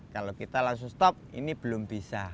kalau kita langsung stop ini belum bisa